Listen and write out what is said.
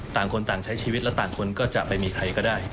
ต่างคนต่างใช้ชีวิตและต่างคนก็จะไปมีใครก็ได้